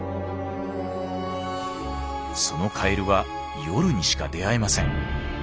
そのカエルは夜にしか出会えません。